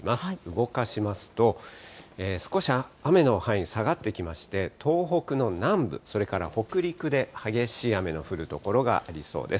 動かしますと、少し雨の範囲、下がってきまして、東北の南部、それから北陸で激しい雨の降る所がありそうです。